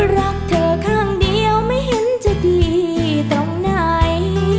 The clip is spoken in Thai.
รักเธอข้างเดียวไม่เห็นจะดีตรงไหน